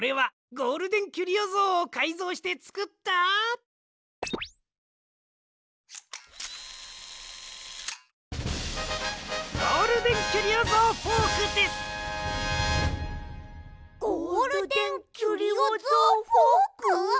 ゴールデンキュリオぞうフォーク！？